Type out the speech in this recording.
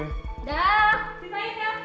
udah siap main ya